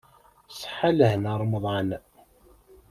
Ṣṣeḥa lehna ṛemḍan.